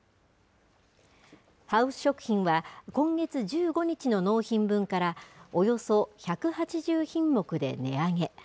ハウス食品は、今月１５日の納品分から、およそ１８０品目で値上げ。